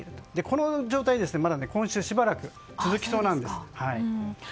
この状態、まだ今週しばらく続きそうなんです。